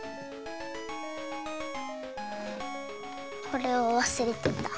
これをわすれてた。